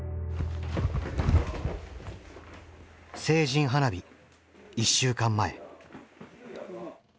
成人花火１週間前。